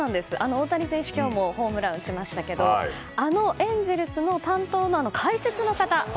大谷選手、今日もホームランを打ちましたけどあのエンゼルスの担当の解説の方。